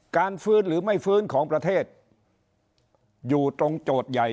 การฟื้นหรือไม่ฟื้นของประเทศอยู่ตรงโจทย์ใหญ่